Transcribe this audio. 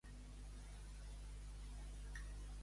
Jamai vingui Sant Joan que no ens porti son pa.